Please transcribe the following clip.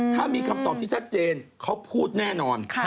ถ้ามีคำตอบที่ชัดเจนเขาพูดแน่นอน